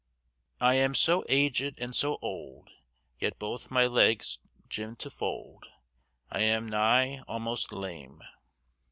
"....I am so agyd and so olde, Yt both my leggys gyn to folde, I am ny almost lame."